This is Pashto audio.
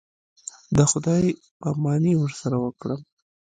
د خداى پاماني ورسره وكړم.